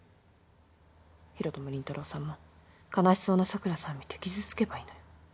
広斗も凛太郎さんも悲しそうな桜さん見て傷つけばいいのよ。